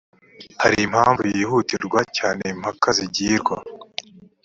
hari impamvu yihutirwa cyane impaka zigirwa